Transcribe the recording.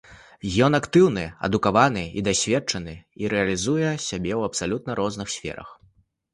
Ён актыўны, адукаваны і дасведчаны, і рэалізуе сябе ў абсалютна розных сферах.